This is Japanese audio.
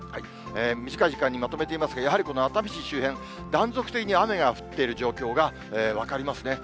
短い時間にまとめていますが、やはりこの熱海市周辺、断続的に雨が降っている状況が分かりますね。